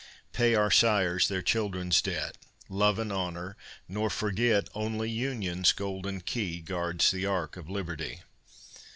Pay our sires their children's debt, Love and honor, nor forget Only Union's golden key Guards the Ark of Liberty!